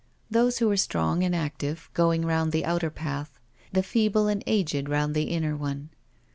Those who were strong and active going round the outer path, the feeble and aged round the inner one.